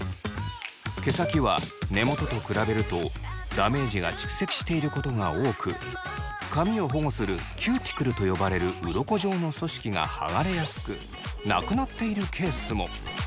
毛先は根元と比べるとダメージが蓄積していることが多く髪を保護するキューティクルと呼ばれるうろこ状の組織が剥がれやすくなくなっているケースも。